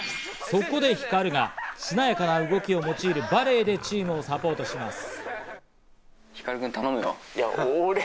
そこでＨＩＫＡＲＵがしなやかな動きを用いるバレエでチームをサポートします。